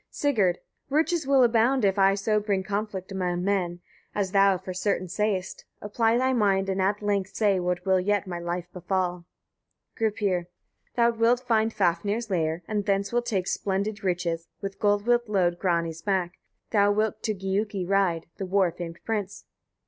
Sigurd. 12. Riches will abound, if I so bring conflict among men, as thou for certain sayest. Apply thy mind, and at length say what will yet my life befall. Gripir. 13. Thou wilt find Fafnir's lair, and thence wilt take splendid riches, with gold wilt load Grani's back. Thou wilt to Giuki ride, the war famed prince.